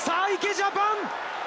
ジャパン！